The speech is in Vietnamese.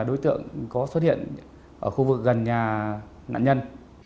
đối tượng có xuất hiện ở khu vực gần nhà nạn nhân